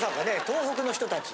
東北の人たち。